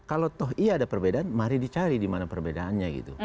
atau iya ada perbedaan mari dicari di mana perbedaannya